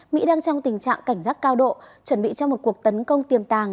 mỹ đang trong tình trạng cảnh giác cao độ chuẩn bị cho một cuộc tấn công tiềm tàng